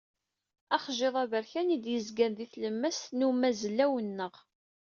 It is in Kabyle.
Axjiḍ aberkan i d-yezgan di tlemmast n umazellaw-nneɣ.